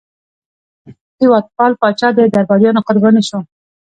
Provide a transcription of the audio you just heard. هېوادپال پاچا د درباریانو قرباني شو.